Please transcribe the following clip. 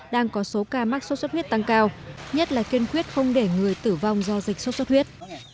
đang có số ca mắc sốt xuất huyết tăng cao nhất là kiên quyết không để người tử vong do dịch sốt xuất huyết